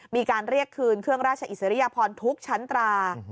มีการเรียกคืนเครื่องราชอิสริยพรทุกชั้นตรา